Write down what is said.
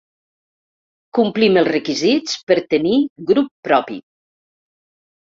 Complim els requisits per tenir grup propi.